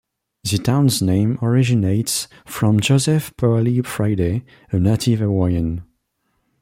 The town's name originates from Joseph Poalie Friday, a native Hawaiian.